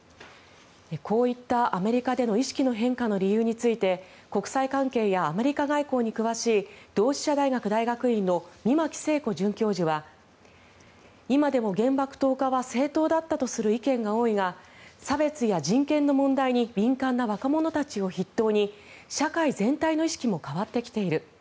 こういったアメリカでの意識の変化の理由について国際関係やアメリカ外交に詳しい同志社大学大学院の三牧聖子准教授は今でも原爆投下は正当だったとする意見が多いが差別や人権の問題に敏感な若者たちを筆頭に社会全体の意識も変わってきている。